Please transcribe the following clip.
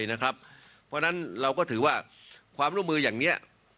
เพราะฉะนั้นเราก็ถือว่าความร่วมมืออย่างนี้